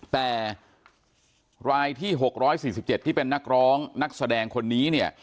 แต่รายที่๖๔๗ที่เป็นนักร้องนักแสดงคนนี้เนี่ย